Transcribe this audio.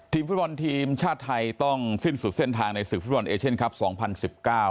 ฟุตบอลทีมชาติไทยต้องสิ้นสุดเส้นทางในศึกฟุตบอลเอเชียนครับสองพันสิบเก้า